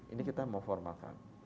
ini kita mau formalkan